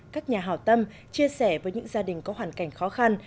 các nhà hào tâm chia sẻ với những gia đình có hoàn cảnh khó khăn